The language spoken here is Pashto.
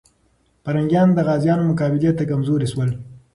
پرنګیان د غازيانو مقابلې ته کمزوري سول.